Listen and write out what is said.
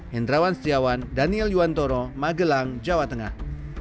hendrawan setiawan daniel yuwantoro magelang jawa tengah